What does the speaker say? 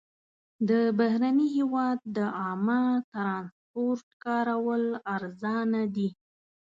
د بهرني هېواد د عامه ترانسپورټ کارول ارزانه دي.